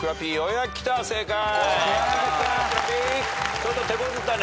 ちょっとてこずったね。